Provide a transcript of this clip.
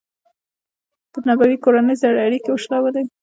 د نبوي کورنۍ سره یې اړیکې وشلولې.